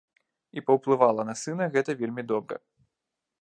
І паўплывала на сына гэта вельмі добра.